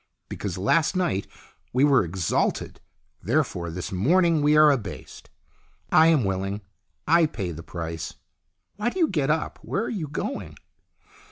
Because last night we were exalted, therefore this morning we are abased. I am willing. I pay the price. Why do you get up? Where are you going